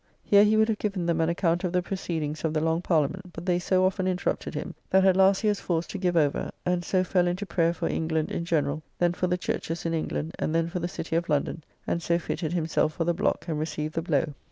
Here he would have given them an account of the proceedings of the Long Parliament, but they so often interrupted him, that at last he was forced to give over: and so fell into prayer for England in generall, then for the churches in England, and then for the City of London: and so fitted himself for the block, and received the blow.